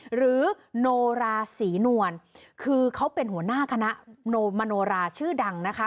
หรือโนราศรีนวลคือเขาเป็นหัวหน้าคณะมโนราชื่อดังนะคะ